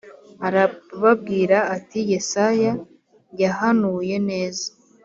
Arababwira ati yesaya yahanuye neza